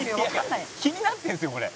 「気になってるんですよこれ」